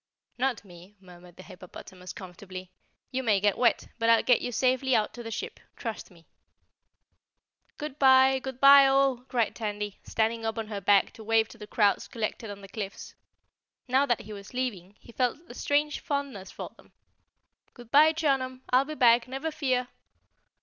"Not me," murmured the hippopotamus comfortably. "You may get wet, but I'll get you safely out to the ship. Trust me." "Goodbye! Goodbye, all!" cried Tandy, standing up on her back to wave to the crowds collected on the cliffs. Now that he was leaving, he felt a strange fondness for them. "Goodbye, Chunum! I'll be back, never fear!"